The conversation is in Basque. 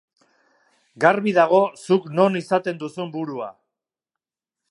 Garbi dago zuk non izaten duzun burua.